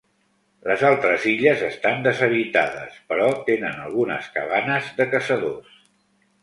Les altres illes estan deshabitades però tenen algunes cabanes de caçadors.